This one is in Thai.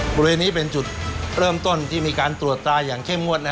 บริเวณนี้เป็นจุดเริ่มต้นที่มีการตรวจตราอย่างเข้มงวด